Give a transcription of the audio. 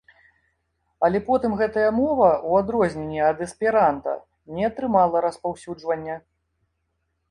Але потым гэтая мова, у адрозненне ад эсперанта, не атрымала распаўсюджвання.